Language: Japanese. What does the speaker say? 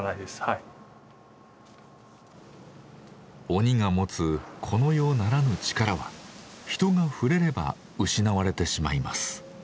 鬼が持つこの世ならぬ力は人が触れれば失われてしまいます。